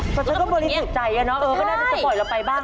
แต่ฉันก็บริสุทธิ์ใจอะเนาะเออก็น่าจะปล่อยเราไปบ้าง